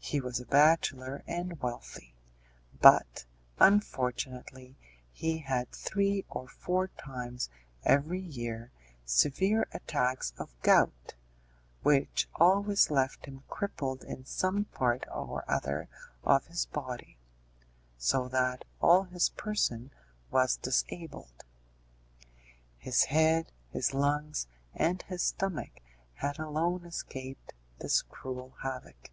He was a bachelor and wealthy, but, unfortunately, he had three or four times every year severe attacks of gout, which always left him crippled in some part or other of his body, so that all his person was disabled. His head, his lungs, and his stomach had alone escaped this cruel havoc.